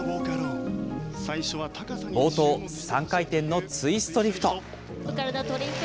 冒頭、３回転のツイストリフト。